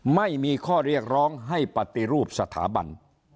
ไม่มีข้อเรียกร้องให้ปฏิรูปสถาบัน